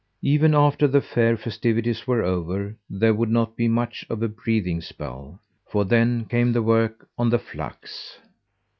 Even after the fair festivities were over there would not be much of a breathing spell, for then came the work on the flax.